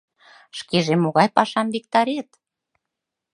Шкеже могай пашам виктарет?